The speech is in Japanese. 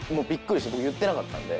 僕言ってなかったんで。